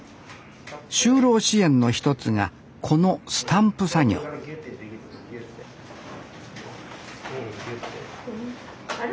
就労支援の一つがこのスタンプ作業あら？